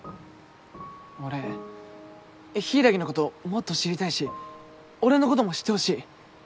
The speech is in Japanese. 俺柊のこともっと知りたいし俺のことも知ってほしい。